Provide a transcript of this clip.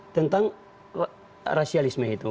tentang rasialisme itu